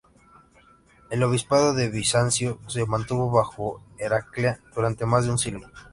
El obispado de Bizancio se mantuvo bajo Heraclea durante más de un siglo.